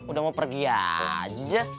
udah mau pergi aja